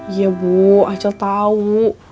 iya bu acil tau